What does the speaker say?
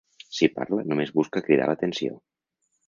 Si parla, només busca cridar l'atenció.